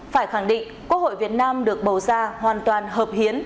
phải khẳng định quốc hội việt nam được bầu ra hoàn toàn hợp hiến